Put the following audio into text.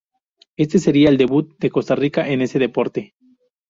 Este será el debut de Costa Rica en ese deporte.